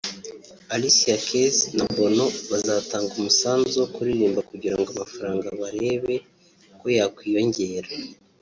Alicia Keys na Bono bazatanga umusanzu wo kuririmba kugira ngo amafaranga barebe ko yakwiyongera